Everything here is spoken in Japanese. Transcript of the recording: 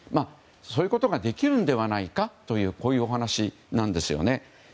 そういうことができるのではないかというお話なんですね。